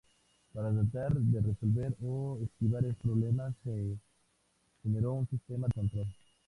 Para tratar de resolver o esquivar estos problemas, se generó un sistema de control.